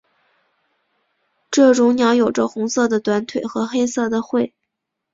这种鸟有着红色的短腿和黑色的喙。